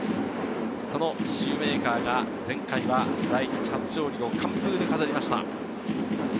そのシューメーカーが前回は来日初勝利を完封で飾りました。